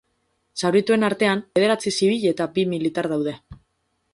Zaurituen artean, bederatzi zibil eta bi militar daude.